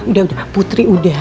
udah udah putri udah